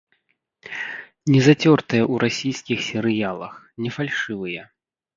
Не зацёртыя ў расійскіх серыялах, не фальшывыя.